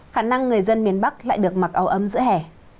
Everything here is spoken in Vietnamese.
khả năng người dân miền bắc lại được mặc áo ấm giữa hè